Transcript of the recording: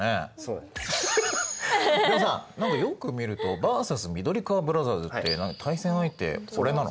でもさ何かよく見ると「ＶＳ緑川ブラザーズ」って対戦相手俺なの？